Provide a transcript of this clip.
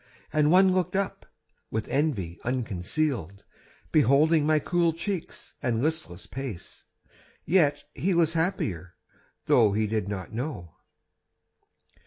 And one looked up, with envy unconcealed, Beholding my cool cheeks and listless pace, Yet he was happier, though he did not know.